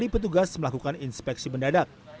petugas melakukan inspeksi bendedak